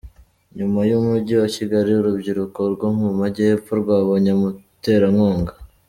Nyuma y’umujyi wa Kigali, urubyiruko rwo mu Majyepfo rwabonye umuterankunga